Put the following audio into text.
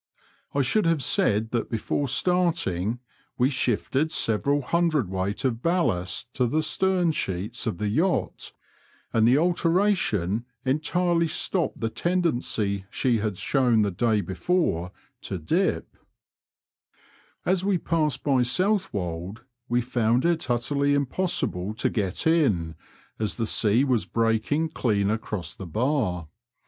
I should have said that before starting we Digitized by VjOOQIC 22 BROADS AND RIVERS OF NORFOLK AND SUFFOLK. shifted several hundredweight of ballast to the stern sheets of the yacht, and the alteration entirely stopped the tendency she had showed the day before to dip; As we passed by South wold we found it utterly impossible to get in, as the sea was breaking clean across the bar.